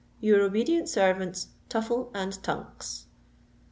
"Your obedient Servants, "TUFFLE and TUNKS."